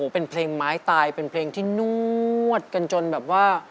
เป็นเพลงไม้ตายเป็นเพลงที่นวดกันจนแบบว่า